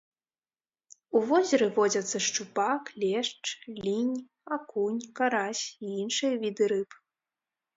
У возеры водзяцца шчупак, лешч, лінь, акунь, карась і іншыя віды рыб.